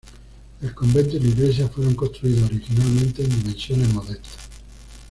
El convento y la iglesia fueron construidos originalmente en dimensiones modestas.